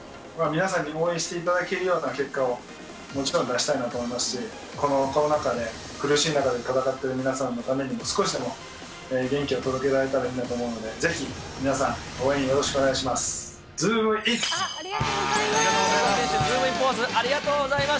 皆さんに応援していただけるような結果をもちろん出したいなと思いますし、このコロナ禍で苦しい中で戦っている皆さんのためにも、少しでも元気を届けられたらいいなと思うので、ぜひ皆さん応援よろしくお願いします。